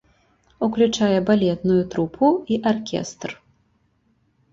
Уключае балетную трупу і аркестр.